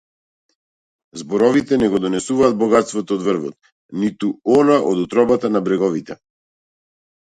Зборовите не го донесуваат богатството од врвот, ниту она од утробата на бреговите.